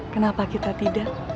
kenapa kita tidak